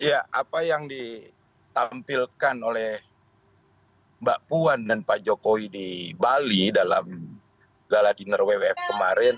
ya apa yang ditampilkan oleh mbak puan dan pak jokowi di bali dalam gala dinner wwf kemarin